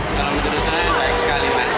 kalau menurut saya baik sekali mas